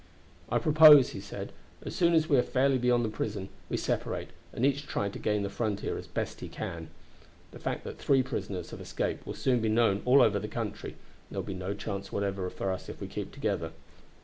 "I propose," he said, "as soon as we are fairly beyond the prison, we separate, and each try to gain the frontier as best he can. The fact that three prisoners have escaped will soon be known all over the country, and there would be no chance whatever for us if we kept together.